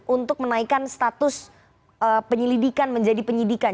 untuk menaikkan status penyelidikan menjadi penyidikan